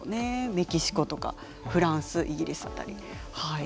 メキシコとかフランスイギリス辺りはい。